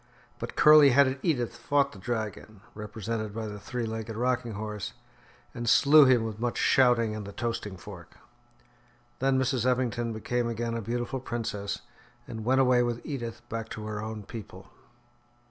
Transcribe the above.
But curly headed Edith fought the dragon, represented by the three legged rocking horse, and slew him with much shouting and the toasting fork. Then Mrs. Eppington became again a beautiful princess, and went away with Edith back to her own people.